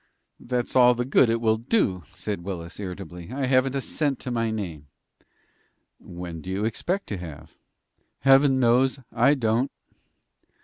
"That's all the good it will do," said Willis, irritably. "I haven't a cent to my name." "When do you expect to have?" "Heaven knows; I don't."